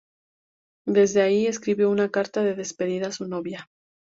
Desde allí le escribió una carta de despedida a su novia.